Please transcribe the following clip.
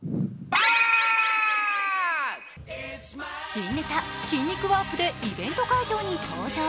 新ネタ・筋肉ワープでイベント会場に登場。